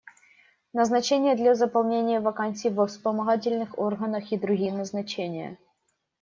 Назначение для заполнения вакансий во вспомогательных органах и другие назначения.